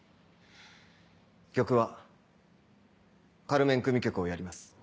曲は『カルメン組曲』をやります。